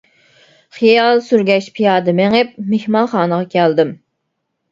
خىيال سۈرگەچ پىيادە مېڭىپ مېھمانخانىغا كەلدىم.